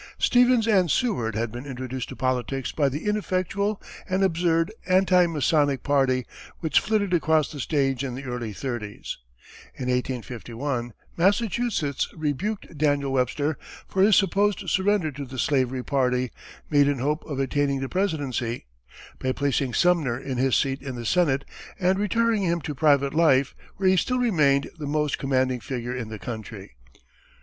Stevens and Seward had been introduced to politics by the ineffectual and absurd anti Masonic party, which flitted across the stage in the early thirties. In 1851, Massachusetts rebuked Daniel Webster for his supposed surrender to the slavery party, made in hope of attaining the presidency, by placing Sumner in his seat in the Senate, and retiring him to private life, where he still remained the most commanding figure in the country.